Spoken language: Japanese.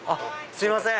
すいません。